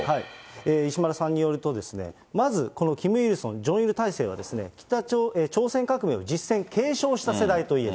石丸さんによると、まずこのキム・イルソン、ジョンイル体制は朝鮮革命を実践・継承した時代だといわれる。